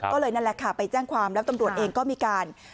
ก็เลยนั่นแหละค่ะไปแจ้งความแล้วตำรวจเองก็มีการ